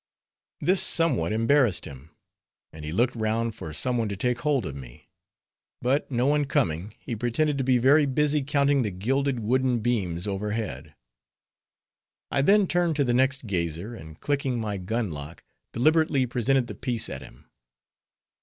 This somewhat embarrassed him, and he looked round for some one to take hold of me; but no one coming, he pretended to be very busy counting the gilded wooden beams overhead. I then turned to the next gazer, and clicking my gun lock, deliberately presented the piece at him.